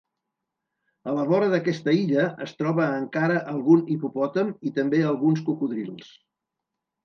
A la vora d'aquesta illa es troba encara algun hipopòtam i també alguns cocodrils.